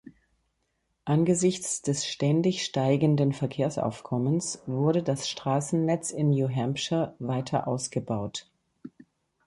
Angesichts des ständig steigenden Verkehrsaufkommens wurde das Straßennetz in New Hampshire weiter ausgebaut.